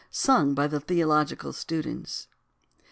SUNG BY THEOLOGICAL STUDENTS.